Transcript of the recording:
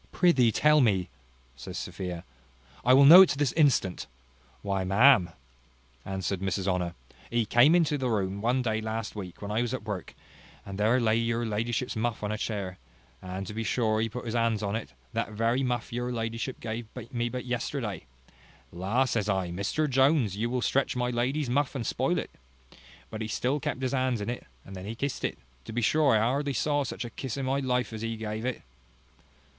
"Prithee tell me," says Sophia; "I will know it this instant." "Why, ma'am," answered Mrs Honour, "he came into the room one day last week when I was at work, and there lay your ladyship's muff on a chair, and to be sure he put his hands into it; that very muff your ladyship gave me but yesterday. La! says I, Mr Jones, you will stretch my lady's muff, and spoil it: but he still kept his hands in it: and then he kissed it to be sure I hardly ever saw such a kiss in my life as he gave it."